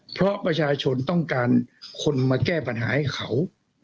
เพราะประชาชนต้องการคนมาแก้ปัญหาให้เขา